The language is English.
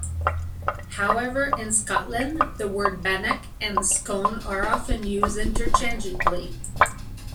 However, in Scotland the words "bannock" and "scone" are often used interchangeably.